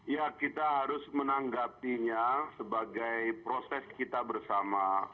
ya kita harus menanggapinya sebagai proses kita bersama